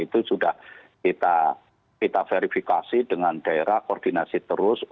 sekarang kita akan taruh keseluruhan pertanyaan kali pak saiful